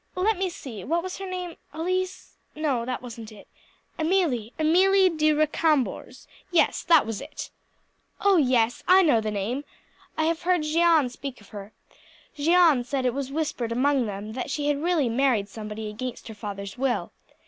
Let me see, what was her name. Elise no, that wasn't it. Amelie Amelie de Recambours yes, that was it." "Oh, yes, I know the name! I have heard Jeanne speak of her. Jeanne said it was whispered among them that she had really married somebody against her father's will.